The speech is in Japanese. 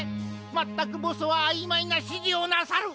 まったくボスはあいまいなしじをなさる！